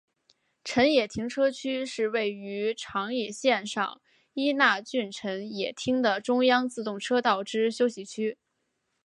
辰野停车区是位于长野县上伊那郡辰野町的中央自动车道之休息区。